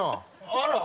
あら。